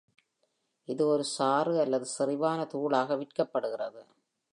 இது ஒரு சாறு அல்லது செறிவான தூளாக விற்கப்படுகிறது.